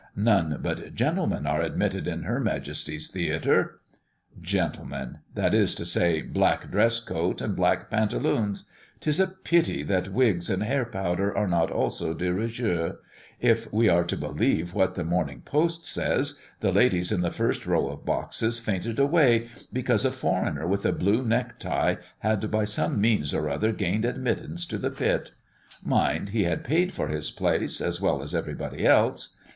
None but gentlemen are admitted in Her Majesty's Theatre." "Gentlemen that is to say, black dress coat and black pantaloons; 'tis a pity that wigs and hair powder are not also de rigueur. If we are to believe what the Morning Post says, the ladies in the first row of boxes fainted away, because a foreigner with a blue neck tie had by some means or other gained admittance to the pit. Mind he had paid for his place, as well as everybody else.